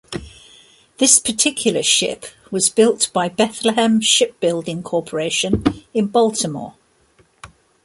This particular ship was built by Bethlehem Shipbuilding Corporation in Baltimore.